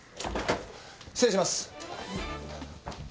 失礼します。